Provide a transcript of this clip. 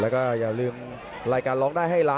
ขอบคุณครับ